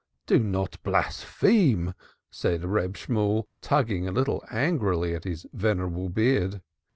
"Do not blaspheme!" said Reb Shemuel, tugging a little angrily at his venerable beard.